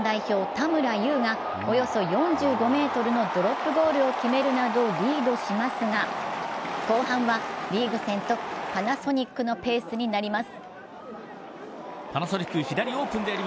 田村優がおよそ４５ｍのドロップゴールを決めるなどリードしますが、後半はリーグ戦トップ、パナソニックのペースになります。